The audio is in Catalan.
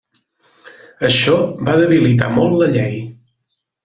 Això va debilitar molt la llei.